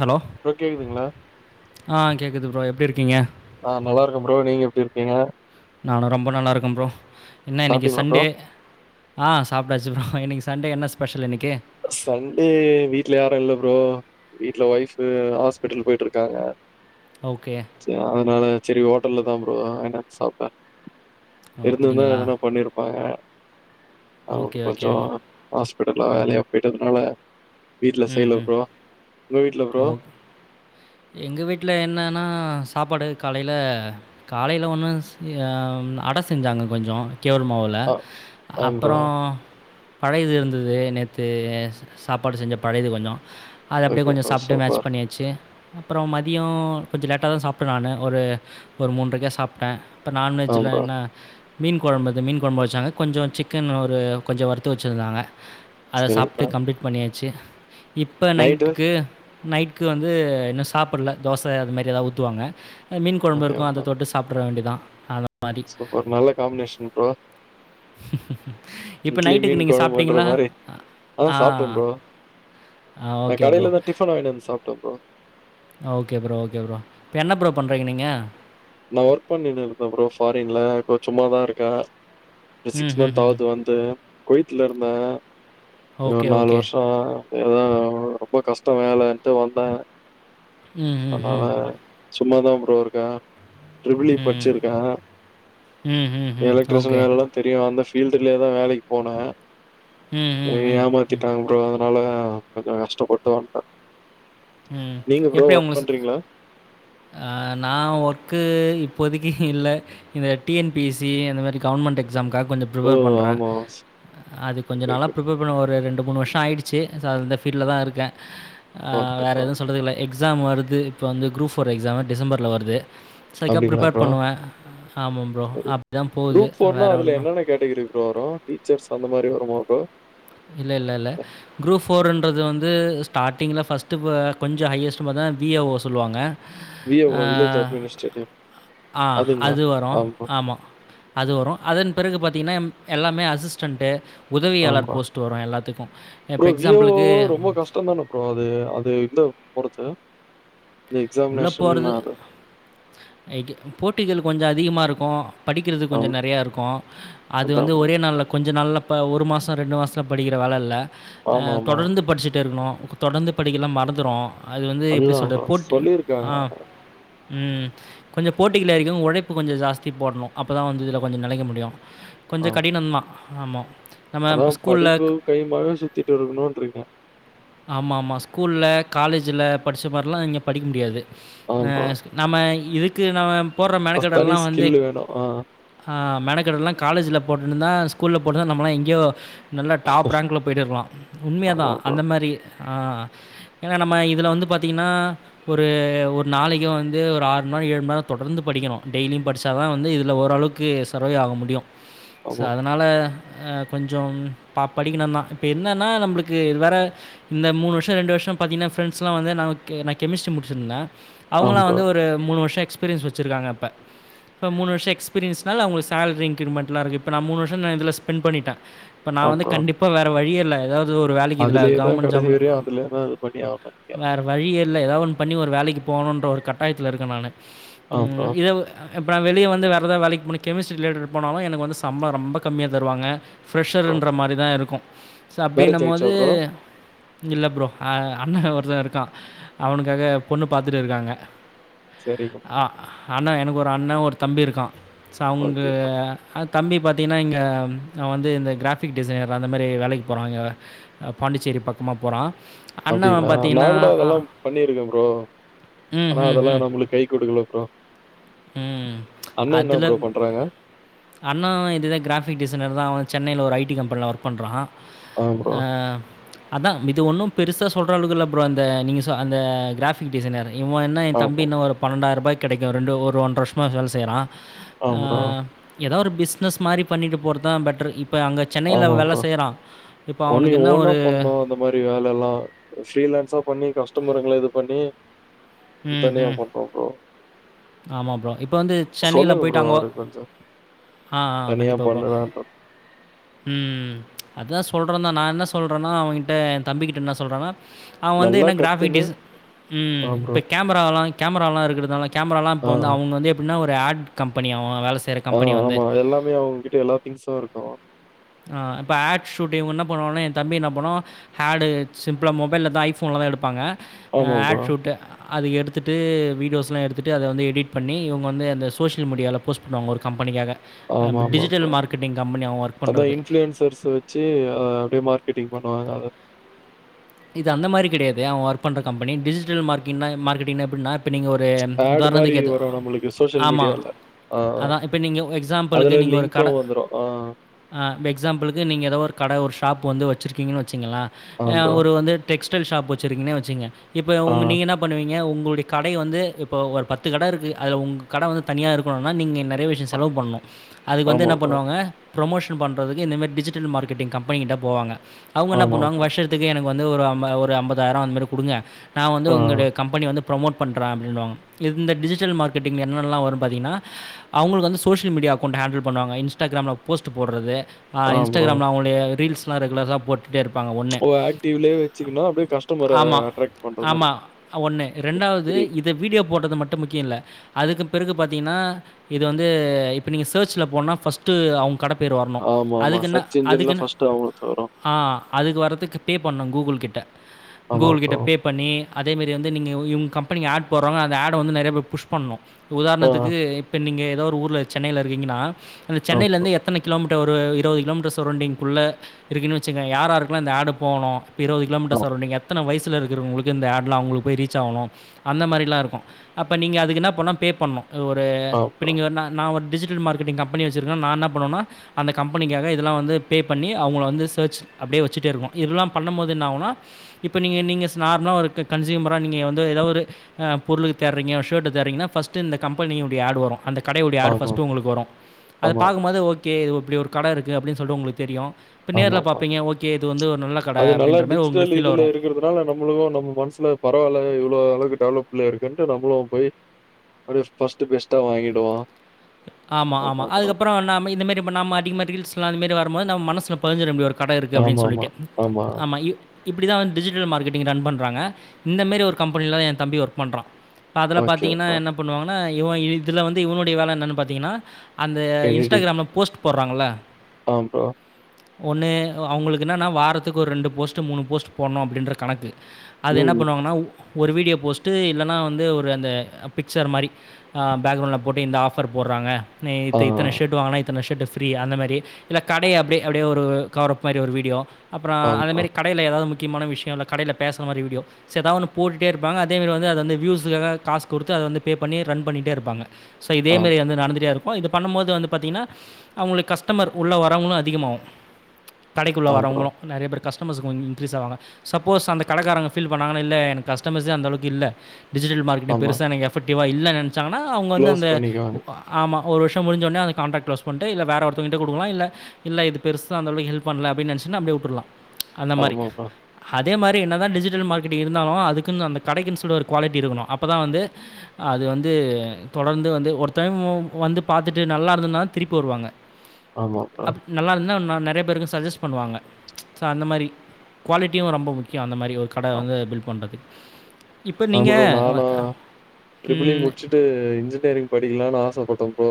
Hello bro கேக்குதுங்களா ஆ கேக்குது ப்ரோ எப்பிடி இருக்கீங்க ஆ நல்லாருக்கே ப்ரோ நீங்க எப்பிடி இருக்கீங்க நானு ரொம்ப நல்லாருக்கே ப்ரோ என்ன இன்னைக்கி சாப்ட்டீங்களா ப்ரோ சண்டே ஆ சாப்ட்டாச்சு ப்ரோ இன்னைக்கி சண்டே என்ன ஸ்பெஷல் இன்னைக்கி சண்டே வீட்ல யாரு இல்ல ப்ரோ வீட்ல ஒய்ஃபு ஹாஸ்பிட்டல் போயிட்ருக்காங்க ஓகே. செர் அதனால செரி ஹோட்டல்ல தா ப்ரோ வாங்கிட்டு வந்து சாப்ட்டே ஓ இருந்துருந்தா அப்படிங்களா? எதனா பண்ணிருப்பாங்க அவங்க ஓகே, ஓகே, கொஞ்சோ ஓகே. ஹாஸ்பிட்டல்ல வேலையா போயிட்டதுனால வீட்ல செய்யல ம்ஹும் ப்ரோ உங்க வீட்ல ப்ரோ ஓ எங்க வீட்ல என்னனா சாப்பாடு காலைல காலைல ஒன்னுசெய் அட செஞ்சாங்க கொஞ்சோ கேவ்ல் மாவுல ஆ ஆ ப்ரோ அப்றோ பழையது இருந்தது நேத்து சாப்பாடு செஞ்ச பழையது கொஞ்சோ அத அப்டியே ஓகே கொஞ்சோ ப்ரோ சாப்ட்டு மேச் சூப்பர் பண்ணியாச்சு அப்றோ மதியோ கொஞ்சோ லெட்டாதா சாப்ட்ட நானு ஒரு மூண்றைக்கா சாப்ட்ட இப்போ நான் ஆ வெஜ்ல ப்ரோ என்ன மீன் கொழம்பது மீன் கொழம்பு வெச்சாங்க கொஞ்சோ சிக்கன் ஒரு கொஞ்சோ வறுத்து வெச்சிருந்தாங்க அத சரிங்க ப்ரோ சாப்ட்டு கம்ப்ளீட் பண்ணியாச்சு இப்ப நைட்டு நைட்டுக்கு நைட்டுக்கு வந்து இன்னு சாப்ல்ல தோச அது மாரி எதாவது ஊத்துவாங்க மீன் கொழம்பு அப்டியா இருக்கு ப்ரோ அத தொட்டு சாப்ட வேண்டிதா அதா சூப்பர் நல்ல காம்பினேஷன் ப்ரா இப்ப இட்லி நைட்டுக்கு மீன் நீங்க கொழம்புண்ற சாப்பிட்டீங்களா? மாரி ஆ சாப்ட்ட ப்ரோ ஆ நா ஓகே ப்ரோ. கடைலதா டிஃபன் வாங்கிட்டு வந்து சாப்ட்ட bro okay bro, okay bro. இப்ப என்ன ப்ரோ பண்றீங்க நீங்க? நா ஒர்க் பண்ணிட்டு இருந்தேன் ப்ரோ ஃபாரின்ல இப்ப சும்மாதா இருக்க ம், சிக்ஸ் ம், மந்த் ம். ஆவுது வந்து கொவைத்ல இருந்த ஒரு ஓகே, நாலு ஓகே. வர்ஷோ எதா ரொம்ப கஷ்டோ வேலன்ட்டு வந்தே ம் ம் ம் சும்மாதா ப்ரோ இருக்க ட்ரிப்பிள் ஈ ம். படிச்சிருக்க ம், ம், ம். Electrician okay. வேல எல்லா தெரியு அந்த ஃபீல்டுலயேதா வேலைக்கு போன ம், ம், இவிங்க ம். ம், ஏமாத்திட்டாங்க பரோ அதனால கொஞ்சோ கஷ்டப்பட்டு வந்ட்ட ம். நீங்க ப்ரோ ஒர்க் பண்றீங்ளா நா ஒர்க்கு இப்போதைக்கு இல்ல இந்த T N P S C அந்த மாரி கவர்மெண்ட் எக்ஸாம்காக கொஞ்சோ ஓ! பிரிப்பேர் பண்றே ஆமா. அது கொஞ்சோ ஓகே, நாளா ஓகே. ப்ரிப்பேர் பண்ண ஒரு ரெண்டு மூணு வருஷோ ஆயிடுச்சு ஸோ இந்த ஃபீல்டுலதா இருக்கே ஓகே வேற ப்ரோ. எதுவு சொல்லறதிகில்ல எக் எக்ஸாம் வருது இப்போ வந்து குரூப் ஃபோர் எக்ஸாம் டிசம்பர்ல் வருது ஸோ அதுக்காக அப்டிங்களா ப்ரிப்பேர் ப்ரோ? பண்ணுவே ஆமாம் ப்ரோ சரி. அப்டிதா போகுது வேற ஒன்னு ரோரோ டீச்சர்ஸ் அந்த மாரி வருமா ப்ரோ இல்ல, இல்ல, இல்ல. ஃப்டிங்கில்ல ஃபர்ஸ்ட் கொஞ்சோ ஹையஸ்ட மாதா வி ஏ ஓ சொல்வாங்க V A O village administrative ஆ அது வரு ஆமா அது வரு அதன்பிறகு பாத்தீங்கனா எம் எல்லாமே அசிஸ்டன்ட் உதவியாளர் ஆமா. போஸ்ட் வரும் எல்லாத்துக்கும். இப்ப ப்ரோ வீ ஏ ஓ எக்ஸாம்பிளுக்கு ஓ ரொம்போ கஷ்டந்தானே ப்ரோ அது அது இந்த ‌‌பொறுத்து உள்ள போறது ரைட் போட்டிகள் கொஞ்சோ அதிகமா இருக்கு படிக்கிறது கொஞ்சோ ஆமா, நெறயா இருக்கு அது அதான் வந்து ப்ரோ. ஒரே நாள்ல கொஞ்ச நாள்ல் இப்போ ஒரு மாசோ ரெண்டு மாசத்துல படிக்கிற வேல இல்ல ஆ ஆமாமா. தொடர்ந்து படிச்சிட்டே இருக்கணு தொடர்ந்து படிக்கலனா மறந்துரு அது வந்து எப்டி சொல்றது போட் தியாங்கா ம் கொஞ்சோ போட்டிகள் இருக்கு உழைப்பு கொஞ்சோ ஜாஸ்தி போடணு அப்பதா வந்து இதுல கொஞ்சோ நிலைக்க முடியு ஆ நம்ம அதா இப்போ ஸ்கூலில் படிப்பு கைமாவே சுத்திட்டு இருக்கணுன்றீங்க ஆமாமா ஸ்கூல்ல காலேஜ்ல் படிச்ச மாரில்லா இங்க படிக்க முடியாது ஆமா ஆ ப்ரோ. நம்ம இதுக்கு நம்ம போடற தனி மெனக்கெடெல்லா வந்து ஸ்கில் வேணும். ஆ. மெனக்கெடெல்லா காலேஜ்ல போட்டிருந்தா ஸ்கூல்ல போட்டுந்தா நம்மெல்லா எங்யோ நல்லா டாப் ரேங்க்ல போயிட்டேருக்கலா உண்மயாதா ஆமா ப்ரோ. அந்த மாரி ஆ ஏனா நம்ம இதுல வந்து பாத்தீங்கனா ஒரு ஒரு நாளைக்கு வந்து ஒரு ஆறு மண் நேரோ ஏழு மண் நேரோ தொடர்ந்து படிக்கணு டெய்லியு படிச்சாதா வந்து இதுல ஓரள வுக்கு சர்வை ஆக முடியு ஸோ ஆமா. அதனால கொஞ்சோ ப படிக்கணுதா இப்ப என்னனா நம்மளுக்கு வேற இந்த மூணு வருஷோ ரெண்டு வருஷோ னிஷோ பாத்தீங்கனா ஃப்ரெண்ட்ஸ்லா வந்து நாங்க கெ கெமிஸ்ட்ரி முடுச்சிருந்த ஆமா அவங்ளா ப்ரோ. வந்து ஒரு மூணு வர்ஷோ எக் க்ஸ்பீரியன்ஸ் வச்சுருகாங்க அப்ப இப்ப மூணு வர்ஷோ எக்ஸ்பிரியன்ஸ்னால அவுங்ளுக்கு சால்ரி இன்கிரிமென்ட்லா இருக்கு இருப்ப நா மூனுவர்ஷோ இதுல நா ஸ்பென் பண்ணிட்ட இப்ப நா ஆமா வந்து ப்ரோ. கண்டிப்பா வேற வழி இல்ல எதாவது ஒரு வேலைக்கு இல்ல அதுலயே தான் கவர்மெண்ட் கடைசி ஜாப்ல வரையும் அதுலயே தான் இது பண்ணி ஆகணும் நீங்க. வேற வழியே இல்ல எதாது ஒன் வேலைக்கு போகனுன்ற ஒரு கட்டாயத்துல இருக்க நானு ஆமா ப்ரோ, ம்ம் இத வந் இப்போ நா வெளிய வந்து வேற எதாவ் வேலைக்கு போன கெமிஸ்ட்ரி ரிலேட்டட் போனாலும் எனக்கு வந்து சம்பளம் ரொம்ப கம்மியா தருவாங்க ப்ரோ. ஃப்ரெஷ்ஷர்ன்ற மாரி தா இருக்கூ அப்டின மேரேஜ் ஆயிடுச்சா போது ப்ரோ? இல்ல ப்ரோ அண்ண ஒருத்தன் இருக்கான் அவனுக் க்காக பொண்ணு பாத்துட்டு இருகாங்க சரிங்க. ஆ ஆனா எனக்கு ஒரு அண்ண ஒரு தம்பி இருக்கா ஸோ அவுங்க ஓகே ப்ரோ. அத் தம்பி பாத்திங்ன்னா இங்க அவ வந்து இந்த கிராஃபிக் டிசைனர் அந்த மாரி வேலைக்கு போறாங்க அ பாண்டிச்சேரி ரி பக்கமா போறா அப்டிங்ளா நா கூட அதெல்லா பண்ணியிருக்கே ப் ப்ரோ ம், ஆனா அதெல்லா நம்ளுக்கு கை கொடுக்கல ப்ரோ அ அண்ண என்ன அதுல ப்ரோ பண்றாங்க அண்ணா இதுதா கிராஃபிக் டிசைனர் தா அவ சென் ன்னைல ஒரு ஐ டி கம்பென்ல ஒர்க் பண்றான் ஆ ப்ரோ அ அதா இது ஒன்னும் பெருசா சொல்ற அளவுக்கு இல்ல ப்ரோ அந்த நீங்க சொ அந்த கிராஃபிக் டிசைனர் இவ என்ன ஆ என் தம்பி ப்ரோ என்ன ஒரு பன்னென்டாயிருபாய்கி கெடைக்கு ரெண்டு ஒரு ஒன்றர வர்ஷோமா வேல செய்றான் ஆ எதா ஒரு பிஸ்னஸ் மாரி பண்ணிட்டு போற்துதா பெட்டர் இப்ப அங்க சென்னையில வேல செய்யறான் ஒன்னி ஓனா பண்ணணு அந்த மாரி வேலெல்லா ஃப்ரீலான்ஸா பண்ணி கஷ் ட்டு மரங்கள இது பண்ணி தனியா ம்ஹ்ம். பண்றோம் ப்ரோ ஆமா ப்ரோ இப்ப வந்து சென்னையில சொல்லுங்க ப்ரோ போயிட்டாங்கோ அவருக்கு கொஞ்சோ ஆ ஆ தனியா கண்டிப்பாப்பா பண்ணுடான்ட்டு ம் அதா சொல்றேன் தா நா என்ன சொல்றேனா அவங்கிட்ட ஏ தம்பிக்கிட்ட என்ன சொல்றனா அவன் வந்து நல்லா என்ன கத்துன்னு கிராஃபிடிஸ் ம் ஆ ப்ரோ இப்ப கேமராவலா கேமராலா இருக்குறதால கேமராலாம் இப்போ ஆ வந்து அவுங்க வந்து எப்ட்ன்னா ஒரு ஆட் கம்பெனி அவன் வேல செ அ ஆமா எல்லாமே அவங்ககிட்ட எல்லா திங்ஸு இருக்கும் அ இப்போ அட் ஷூட் இவங்க என்ன பண்ணுவானா ஏ தம்பி என்ன பண்ணுவா ஆடு சிம்ப்ளா மொபைல்ல தா ஐ ஃபோன்ல தா எடுப்பாங்க ஆமா ப்ரோ ஆட்ஷூட்டு் அது எடுத்துட்டு வீடியோஸ்ல்லா எடுத்துட்டு அத வந்து எடிட் பண்ணி இவுங்க வந்து அந்த சோஷியல் மீடியால போஸ்ட் பண்ணுவாங்க ஒரு கம்பெனிகாக அ ஆமா ஆமா டிஜிட்டல் ப்ரோ மார்கெட்டிங் கம்பெனி அவ ஒர்க் அதா பண்றது. இன்ஃபுளுயன்ஸ் சோர்ஸ் வச்சு அ அப்டியே மார்க்கெட்டிங் பண்ணுவாங்க அத இது அந்த மாரி கெடையாது அவ ஒர்க் பன்ற கம்பெனி டிஜிட்டல் மார்க்கிங்னா மார்க்கெட்டிங்னா எப்ன்னா நீங்க ஒரு ஆடு மாரி உதாரணத்துகேத்த வரு நம்மளுக்கு சோசியல் ஆமா மீடியால அதா இப்ப நீங்க ஒ எக்ஸாம்பிளுக்கு நீங் லிங்கோ வந்துரூ ஆ அ எக்ஸாம்பிளுக்கு நீங்க எதோ ஒரு கட ஒரு ஷாப் வந்து வச் ச்சிருகீங்கன்னு வச்சிங்களே ஆ அ ப்ரோ. ஒரு வந்து டெக்ஸ்டைல் ஷாப் வச்சுருக்கீன்னே வச்சீங்க இப்போ ஆ உங் நீங்க என்ன பண்ணுவீங்க உங் ங்ளுடைய கடைய வந்து இப்ப ஒரு பத்து கட இருக்கு அதுல உங்க கட வந்து தனியா இருக்கோனுனா நீங்க என்ன நெறைய விஷ்யோ ஆ- செலவு பண்ணூ அதுக்கு வந்து ஆமா என்ன ப்ரோ. பண்ணுவாங்க ப்ரொமோஷன் பண்றதுக்கு இந்த மாரி டிஜிட்டல் மார்கெட்டிங் கம்பெனிகிட்ட போவங்க அவுங்க என்ன ஆமா பண்ணுவாங்க ப்ரோ. வர்ஷத்துக் வந்து ஒரு அம் ஒரு அம்பதாய்ரோ அந்த மாரி குடுங்க நா வந்து ஆ உங்களுடைய கம்பெனி வந்து ப்ரொமோட் பண்ற அப்டின்வாங்க இந்த டிஜிட்டல் மார்கெட்டிங் என்னனெல்லா வரும் பாத்திங்ன்னா அவுங்களுக்கு வந்து சோஷியல் மீடியா ப்டியே அக்கௌண்ட் ஹேண்டெல் பண்ணுவாங்க இன்ஸ்டாக்ராம்ல போஸ்ட் போட்றது ஆ இன்ஸ்டாகிராம்ல அவுங்களுடைய ரீல்ஸ்லா ரெகுலரா போட்டுட்டே இருபாங்க ஒன்னே ஓ ஆக்டிவ்லயே வச்சுக்கணும். அப்படியே கஸ்டமர ஆமா அட்ராக்ட் பண்ற மாரி. ஆமா ஒன்னு ரெண்டாவுது புரியுது. இத வீட் டியோ போட்டது மட் டும் முக்கியோ இல்ல அதுக்கு பிறகு பாத்தீங்ன்னா இது வந்து இப்ப நீங்க சேர்ச்ல போனா ஃபஸ்டு அவ்ங் கட பேரு வர்னு ஆமாமா. அதுக்கு என்ன சர்ச் இன்ஜின்ல அதுக்குன்னு ஃபர்ஸ்ட் அவங்களுக்கு வரும். ஆ அதுக்கு வர்துக்கு பே பண்ணோ கூகுள் கிட்ட ஆமா கூகுள் கிட்ட ப்ரோ. பே பண்ணி அதேமாரி வந்து நீங்க இவுங்க கம்பெனி ஆட் போறவங்க அந்த ஆட வந்து நறையா பேர் புஷ் பண்ணணு ஆ உதாரணத்துக்கு இப்ப நீங்க எதோ ஒரு ஊர்ல சென்னைல இருக்கீங்கன்னா அந்த ஆ ப்ரோ. சென்னையிலிருந்து எத்தனை கிலோமீட் டர் ஒரு இருவது கிலோமீட்டர் சரௌண்டிங் குள்ள இருக்குன்னு வச்சுக்கங்க யாராருக்குலா இந்த ஆடு போணு இருவது ஆ கிலமீட்டர் சரௌண்டிங் எத்தன வயசு இருக்கிறவங்களுக்கு இந்தாட்லா அவுங்களுக்கு போய் ரீச் ஆகணு அந்த மாரிலா இருக்கு அப்ப நீங்க அதுக்கு என்ன பண்ணும் பே பண்ணணு ஒரு ஆ இப்ப ப்ரோ. நீங்க நா நா ஒரு டிஜிட் டல் மார்கெட்டிங் கம்பெனி வச்சிருக்கே நா என்ன பண்ணுவேனா அந்த கம்பனிக்காக இதெல்லா வந்து பே பண்ணி அவுங்கள வந்து சர்ச் அப்டியே வெச்சுட்டே இருக்கு இதெல்லா பண்ணும்போது என்ன ஆவுனா இப்போ நீங்க நீங்க நார்மலா ஒரு கன்ஸ்யூமரா நீங்க வந்து எதாவது ஒரு அ பொருளுக்கு தேட்றீங்க ஷர்ட் தேட்றீங்கன்னா ஃபஸ்டு இந்த கம்பெனி ஓட ஆட் வரு அந்த கடையோடைய ஆடு ஆமா, ஃபஸ்ட்டு உங்களுக்கு வரு அத ஆமா, பாக்கும்போது ஓகே இப்டி ஒரு கடை இருக்கு அப்டின்னு சொல்லி உங்களுக்கு தெரியு இப்ப நேர்ல ஆமாமா. பாப்பீங்க ஓகே இது வந்து ஒரு நல்ல கடை அது நல்லா அப்படின்ற மாதிரி டிஜிட்டல் உங்களுக்கு ஃபீல் இதுல வரும் இருக்கிறதுனால நம்மளுக்கு நம்ம மனசுல பரவால்ல இவ்ளோ அளவுக்கு டெவலப்ல இருக்குன்ட்டு நம்மளு போய் ஃபஸ்டு பெஸ்ட்டா வாங்கிடுவா ஆமா ஆமா அதுக்கப்புற நம்ம இந்த மாரி நம்ம அதிகமா ரீல்ஸ்லா அதுமாரி வரும்போது நம்ம மனசுல பதிஞ்சுரு இப்டி ஒரு கடை இருக்கு அப்டின்னு சொல்லிட்டு ஆமா இப்டிதா வந்து டிஜிட்டல் மார்க்கெட்டிங் ரன் பண்ணறாங்க இந்த மாரி ஒரு கம்பனியிலதா என் தம்பி ஒர்க் பண்றான் இப்ப அதுல ஓகே பாத்தீங்கன்னா ப்ரோ. என்ன பண்ணுவாங்கன்னா இவன் இதுல வந்து இவனுடைய வேலை என்னன்னு பாத்தீங்கன்னா அந்த எடிட்டிங். இன்ஸ்டாகிராம்ல போஸ்ட் போட்றாங்கல்ல ஆ ப்ரோ ஒண்ணு அவுங்களுக்கு என்னன்னா வாரத்துக்கு ஒரு ரெண்டு போஸ்ட் மூணு போஸ்ட் போடணு அப்டின்ற கணக்கு அது என்ன ம். பண்ணுவாங்கன்னா ஒரு வீடியோ போஸ்ட்டு இல்லைனா வந்து ஒரு அந்த பிக்சர் மாரி அ பேக்ரௌண்டில போட்டு இந்த ஆஃப் ஆஃபர் போடுறாங்க நீ இத் ஆ. இத்தன ஷர்ட் வாங்குனா இத்தன ஷர்ட்டு ஃப்ரீ அந்த மாரி இல்ல கடை அப்டியே அப்டியே ஒரு கவரப் மாரி ஒரு வீடியோ அப்புற ஆமா ப்ரோ. அதேமாரி கடைல எதாவது மு முக்கியமான விஷயோ இல்ல கடையில பேசுறமாரி வீடியோ எதா ஒன்னு போட்டுட்டே இருப்பாங்க அதே மாரி வந்து அத வந்து வியூஸ்காக காசு குடுத்து அத வந்து பே பண்ணி ரன் பண்ணிட்டே இருப்பாங்க சோ இதே ஆமா, மாரி வந்து நடந்துட்டே இருக்கு இது பண்ணும்போது வந்து பாத்தீங்கன்னா அவுங்களுக்கு கஸ்டமர் உள்ள வரவங்களு அதிகமாவு கடைக்குள்ள ஆமா ப்ரோ. வரவங்களு நறைய பேர் கஷ் கஸ்டமர்ஸ் கொஞ்ச இன்க்ரீஸ் ஆவாங்க சப்போஸ் அந்த கடைக்காரங்க ஃபீல் பண்ணாங்கன்னா இல்ல எனக்கு கஸ்டமர்சே அந்தளவுக்கு இல்ல டிஜிட்டல் மார்க்கெட்டிங் ஆமா. பெருசா எனக்கு எஃபக்டிவா இல்ல நெனச்சாங்கன்னா அவுங்க வந்து க்ளோஸ் அந்த பண்ணிக்குவாங்க. ஆமா ஒரு வருஷோ முடிஞ்சோனே அத கான்ட்ராக்ட் க்ளோஸ் பண்ட்டு இல்ல வேற ஒருத்தவங்கிட்ட குடுக்கலா இல்ல இல்ல இது பெருசா அந்தளவுக்கு ஹெல்ப் பண்ல அப்டின்னுனச்சு ச்சுனா அப்டியே விட்ருலா அந்த மாரி ஆமா அது ப்ரோ. அதே மாரி என்னதா டிஜிட்டல் மார்க்கெட்டிங் இருந்தாலு அதுக்குன்னு அந்த கடைக்குன்னு சொல்லி ஒரு குவாலிட்டி இருக்கணு அப்பதா வந்து அது அது வந்து தொடர்ந்து வந்து ஒரு டைம் வந்து பாத்துட்டு நல்லா இருந்ததுன்னாதா திருப்பி வருவாங்க ஆமா ப்ரோ. அப் நல்லா இருந்தா நெறைய பேருக்கு சஜஸ் பண்ணுவாங்க சோ அந்தமாரி குவாலிட்டியு ரொம்ப முக்கியோ அந்தமாரி அப்டி ஒரு கடை வந்து பில் பண்றதுக்கு இப்ப அ நீங்க ப்ரோ வ நானு அ ட்ரிபிள் இ ம். முடிச்சுட்டு இன்ஜினியரிங் படி படிக்கலான்னு ஆசப்பட்டே ப்ரோ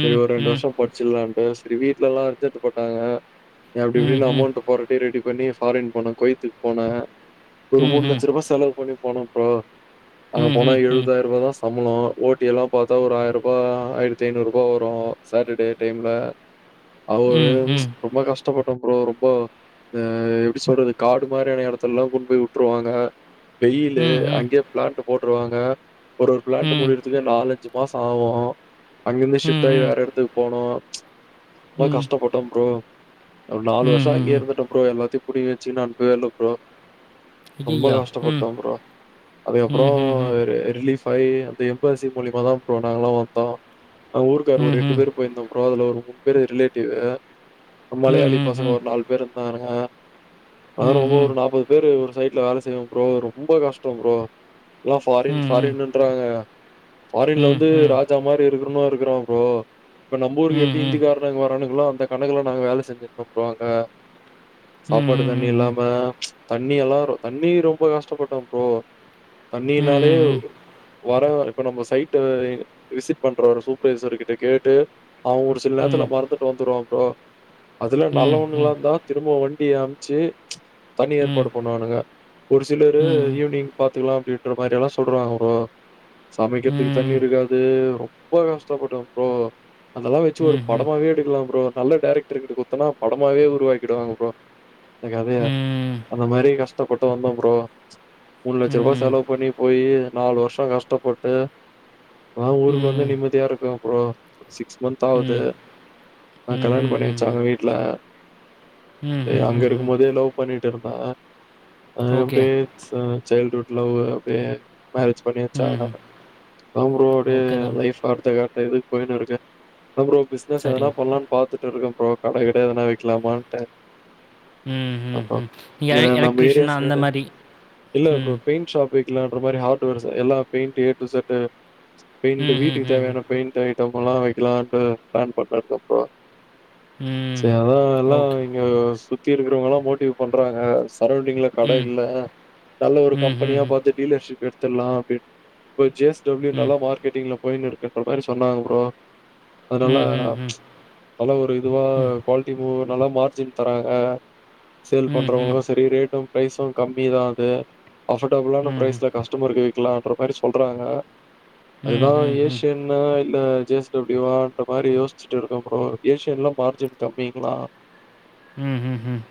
செரி ஒரு ரெண்டு ம். வருஷம் படிச்சிர்லான் செரி வீட்டுலல்லா அர்ஜென் பட்டாங்க அப்டி ம். ம். இப்டின்னு ம். அமௌன்ட் பொறட்டி ரெடி பண்ணி ஃபாரின் போனே குவைத்க்கு போனே ஒரு ம். மூணு ம். லட்ச ரூபா செலவு பண்ணி போனே ப்ரோ அங்க போனா ம். ம். எழுபதாயிர ரூபாதா ச சம்பளோ ஓட்டி எல்லா பாத்தா ஒரு ஆயரூபா ஆயிரத்தி ஐநூறு ரூபா வரு சாட்டர்டே டைம்ல அவரு ம். ரொம்ப கஷ்டப்பட்டோ ப்ரோ ரொம்ப அ எப்டி சொல்றது காடு மாரியான இடத்துலல்லா கொண்டு போய் விட்டுருவாங்க வெயிலு ம். அங்கேயே பிளான்ட் போட்டுருவாங்க ஒரு ஒரு பிளாண்ட் முடியறதுக்கே நாலஞ்சு மாசம் ஆவு அங்கிருந்து ஷிப்ட் ஆயி ம். வேற எடத்துக்கு போனோ ரொம்ப ம். கஷ்டப்பட்டே ப்ரோ ஒரு நால வருஷொ ம். அங்கயே ம். இருந்துட்டே ப்ரோ எல்லாத்தையு புடிஙகி வச்சுகுனு அனுப்பவே இல்ல ப்ரோ ஐயய்யோ ம் அதா ப்ரோ அதுக்கப்புறோ ம்ஹ்ஹ்ம். ரி ரிலீஸ் ஆயி அந்த எம்பாசி மூலியமா தா ப்ரோ நாங்கல்லா வந்தோ நாங்க ஊருக்காரரு ஒரு எட்டு ம்ஹ்ம். பேர் போயிருந்தோ ப்ரோ அதுல ஒரு மூணு பேர் ரிலேட்டிவ் மலையாளி பசங்க ம்ஹ்ஹ்ம். ஒரு நாலு பேர் இருந்தானுங்க [unintelligible] ம்ஹ்ம். ஒரு ம்ஹ்ம். நாற்பது பேரு ஒரு சைட்ல வேல செய்வோ ப்ரோ ரொம்ப கஷ்ட ப்ரோ எல்லா ஃபாரின் ம்ஹ்ம். ஃபாரினுன்றாங்க ஃபாரின்ல வந்து ம்ஹ்ம். ராஜா மாரி இருக்கணுனு இருக்கிறோ ப்ரோ இப்ப நம்ப ஊருக்கு எப்டி ஹிந்தி ம்ஹ்ஹ்ம். காரணுங்க வரானு ங்களோ அந்த கணக்குல்ல நாங்க வேல செஞ்சிருந்தோ ப்ரோ அங்க சாப்பாடு தண்ணி ம்ஹ்ஹ்ம். ம். ம். ம். இல்லாம தண்ணி எல்லா தண்ணி ரொம்ப கஷ்டப்பட்டோ ப்ரோ தண்ணினாலே ம். வர இப்ப நம்ம சைட்டு விசிட் பண்ற ஒரு சூப்பரைசர் கிட்ட கேட்டு அவங்க ஒரு சில நேரத்துல மறந்துட்டு வந்துருவாங்கோ அதுல நல்ல ம் ம் ம் ம் ம் ம் ம் ம் ம் ம் வாங்கலா இருந்தா திரும்ப வண் டிய அம்ச்சு தனி ம் ம் ஏற்பாடு பண்ணுவானுங்க ஒரு சிலரு ம், ஈவினிங் பாத் துலா அப்டின்ற மாரி எல்லா சொல்வாங்க ப்ரோ சமைக்கிறதுக்கு தண்ணி ம், இருக்காது ரொம்ப கஷ்டப்படு ப்ரோ அதெல்லா வச்சு ஒரு ம்ஹ்ம், படமாவே எடுக்கலா ப்ரோ நல்ல டைரக்டர் கிட்ட கொத்தனா படமாவே உருவாகிட்டுவாங்க ப்ரோ எங்கேயாவது ம், அந்த மாரி கஷ்டப்பட்டு வந்தோ ப்ரோ மூணு ம், லட்ச ரூபா ம், செலவு பண்ணி போயி நாலு வருஷொ கஷ்டப்பட்டு இப்பதா ஊருக்கு ம், வந்து நிம்மதியா இருக்கே ப்ரோ சிக்ஸ் மந்த் ம், ஆவுது ம், ஆ கல்யாண பண்ணி ம், வச்சாங்க வீட்டுல ஆ அங்க ம், இருக்கும் ம். போதே லவ் பண்ணிட்டு இருந்தா அது ஓகே. அப்டியே ம் சைல்ட்வுட் லவ் அப்டியே மேரேஜ் பண்ணி வச்சாங்க ம். அவங்களோடைய ஓகே தான். லைஃப் அடுத்த க இதுக்கு போயின்னுருக்க அப்புறோ பிசினஸ் எதனா சரிங்க. பண்லானு பாத் துட்டு இருக்கே ப்ரோ கட கட எதனா வைக்கலாமான்ட்டு ம் அதான் ம் ப்ரோ. ம் ஏ இங்க நம்ம ஏரியா எலக்ட்ரீசியன் அந்த சைடு மாரி இல்ல ப்ரோ ம், பெயிண்ட் ஷாப் வைக்கலான்ற மாரி ஹார்வர்ஸ் எல்லா paint A to Z paint ம், ம், வீட்டுக்கு ம், தேவையான பெயிண்ட் ஐட்டம் எல்லா வைக்கலான்ட்டு பிளான் கொண்டு வந்துருக்கோ ம். சரி அதா எல்லா ஓகே. இங்க சுத்தி இருக்கிறவங்கல்லா மோட்டிவ் பண்றாங்க சரௌண்டிங்ல கட ம், இல்ல நல்ல ஒரு ம், ம், கம்பெனியா ம், பாத்து டீலர்ஷிப் எடுத்துட்லா அப்டி இப்ப ஜ எஸ் டபிள்யூ ல ம், நல்லா மார்கெட்டிங்க்ல போயின்னு இருக்குன்ற மாரி சொன்னாங்ங ப்ரோ அதெல்லா ம், ம், ம், ம், நல்லா ஒரு இதுவா ம், குவாலிட்டியூ நல்லா மார்ஜின் தராங்க சேல் ம், ம், ம், பண்றவங்களு செரி ரேட்டு ப்ரைசு கம் மிதாங்க அஃபோர்டபிளான ம், பிரைஸ்ல கஸ்டமருக்கு விக்கலான்ற மாரி சொல்றாங்க அதுதா ம், ம், ஏசியன்னு இல்ல ஜே எஸ் டபிள்யூ வான்ற மாரி யோச்சுட்டு இருக்க ப்ரோ றோ ஏஷியன்லா மார்ஜின் கம்மிங்களா ம், ம்.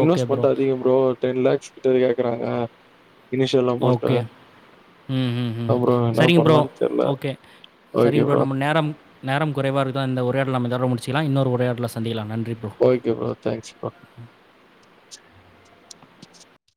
இன்வெஸ்ட்மென்ட் அதிக ப்ரோ டென் லேக்ஸ் கிட்ட கேக்குறாங்க சேர்ல்லாமான்டு ஓகே. ம் ம் ம் சரிங்க ப்ரோ தெர்ல ஓகே சரிங்க ப்ரோ நம்ம நேரம் நேரம் குறைவா இருக்குது அந்த உரையா நம்ம இதோடவே முடிச்சுக்கலா இன்னொரு உரையாடல சந்திக்கலா நன் ஓகே ப்ரோ தேங்க்ஸ் ப்ரோ